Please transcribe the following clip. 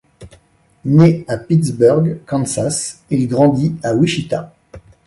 Né à Pittsburg, Kansas, il grandit à Wichita.